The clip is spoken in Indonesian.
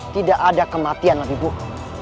tidak ada kematian lebih buruk